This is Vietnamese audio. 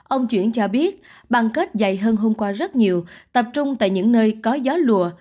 ông chuyển cho biết băng kết dày hơn hôm qua rất nhiều tập trung tại những nơi có gió lùa